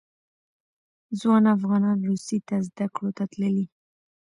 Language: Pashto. ځوان افغانان روسیې ته زده کړو ته تللي.